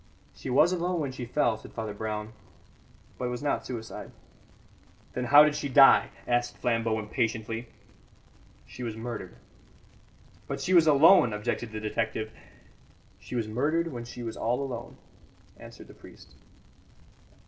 "She was alone when she fell," said Father Brown, "but it was not suicide." "Then how did she die?" asked Flambeau impatiently. "She was murdered." "But she was alone," objected the detective. "She was murdered when she was all alone," answered the priest.